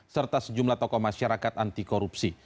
serta sejumlah tokoh masyarakat anti korupsi